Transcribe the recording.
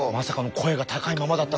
声高いままやった。